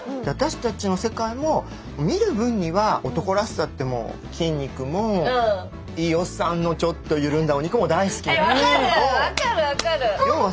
私たちの世界も見る分には男らしさって筋肉もいいおっさんのちょっと緩んだお肉も大好きなんだけど。